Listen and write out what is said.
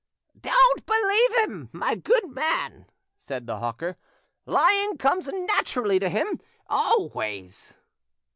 "Don't believe him, my good man," said the hawker; "lying comes natural to him always."